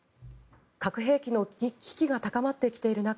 核兵器の危機が高まってきている中